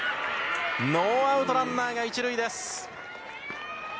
ノーアウト、ランナーが１塁です。